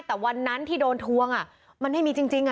แต่วันนั้นที่โดนทวงมันไม่มีจริง